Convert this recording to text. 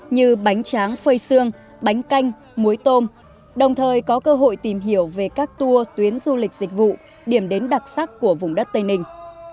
như bánh tráng phơi xương bánh canh muối tôm đồng thời có cơ hội tìm hiểu về các tour tuyến du lịch dịch vụ điểm đến đặc sắc của vùng đất tây ninh